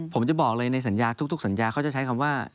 ผมจะบอกเลยในสัญญาทุกสัญญาเขาจะใช้คำว่า